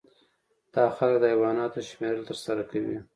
دا خلک د حیواناتو شمیرل ترسره کوي